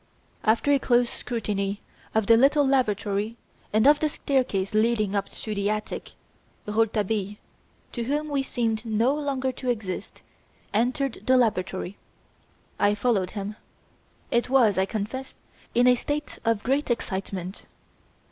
After a close scrutiny of the little lavatory and of the staircase leading up to the attic, Rouletabille to whom we seemed no longer to exist entered the laboratory. I followed him. It was, I confess, in a state of great excitement.